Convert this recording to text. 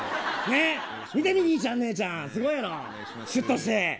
見てみ、ねえちゃんにいちゃん、すごいやろしゅっとして。